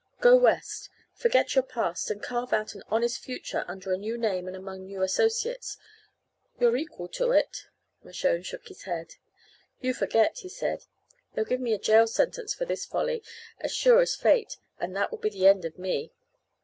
Go West, forget your past, and carve out an honest future under a new name and among new associates. You're equal to it." Mershone shook his head. "You forget," he said. "They'll give me a jail sentence for this folly, as sure as fate, and that will be the end of me."